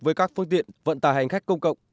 với các phương tiện vận tải hành khách công cộng